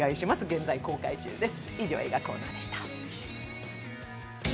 現在公開中です。